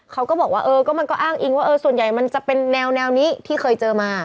เขาก็บอกว่าเออก็มันก็อ้างอิงว่าส่วนใหญ่มันจะเป็นแนวนี้ที่เคยเจอมา